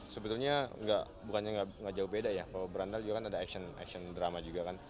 sebetulnya bukannya nggak jauh beda ya kalau berandal juga kan ada action action drama juga kan